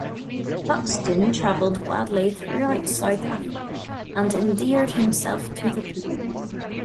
Buxton travelled widely throughout South Africa, and endeared himself to the people.